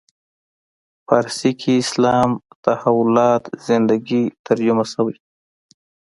فارسي کې اسلام تحولات زندگی ترجمه شوی.